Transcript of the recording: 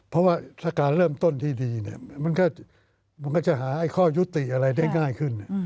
เพราะว่าถ้าการเริ่มต้นที่ดีมันก็จะหาข้อยุติอะไรได้ง่ายขึ้น